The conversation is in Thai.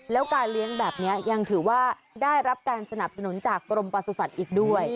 แล้วการเลี้ยงแบบนี้ยังถือว่าได้รับการสนับสนุนจากกรมประสุทธิ์อีกด้วย